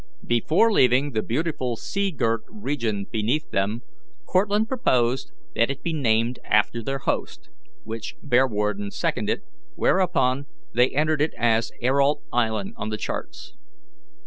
Before leaving the beautiful sea girt region beneath them, Cortlandt proposed that it be named after their host, which Bearwarden seconded, whereupon they entered it as Ayrault Island on the charts.